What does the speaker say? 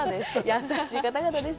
優しい方々でした。